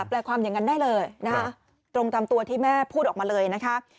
แปลความอย่างนั้นได้เลยนะคะตรงตามตัวที่แม่พูดออกมาเลยนะคะ